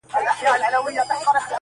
له غاړګیو به لمني تر لندنه ورځي،